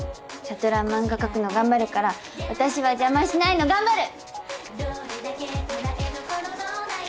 悟は漫画かくの頑張るから私は邪魔しないの頑張る！